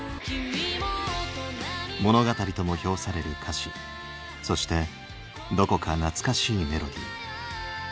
物語とも評される歌詞そしてどこか懐かしいメロディー。